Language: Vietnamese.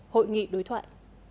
hội nghị đối thoại